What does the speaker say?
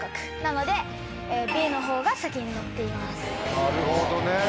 なるほどね。